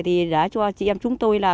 thì đã cho chị em chúng tôi là